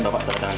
nggak di depan